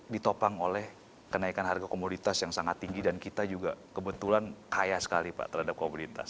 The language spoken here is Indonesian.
ditopang oleh kenaikan harga komoditas yang sangat tinggi dan kita juga kebetulan kaya sekali pak terhadap komoditas